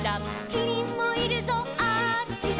「キリンもいるぞあっちだ」